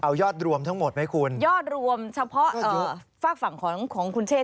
เอายอดรวมทั้งหมดไหมคุณยอดรวมเฉพาะฝากฝั่งของของคุณเชษ